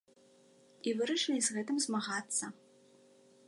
І вырашылі з гэтым змагацца.